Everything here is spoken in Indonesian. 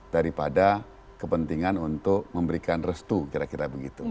daripada kepentingan untuk memberikan restu kira kira begitu